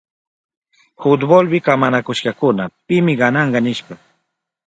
Fultbolpi kamanakushkakuna pimi gananka nishpa.